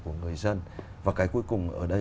của người dân và cái cuối cùng ở đây